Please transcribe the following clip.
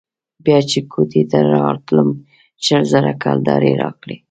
بيا چې كوټې ته راتلم شل زره كلدارې يې راکړې.